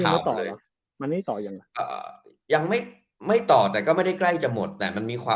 เลยอะยังไม่ไม่ต่อแต่ก็ไม่ได้ใกล้จะหมดแต่มันมีควร